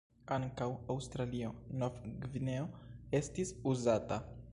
Ankaŭ "Aŭstralio-Nov-Gvineo" estis uzata.